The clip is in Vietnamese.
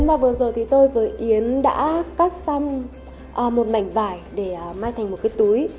và vừa rồi thì tôi với yến đã cắt xong một mảnh vải để may thành một cái túi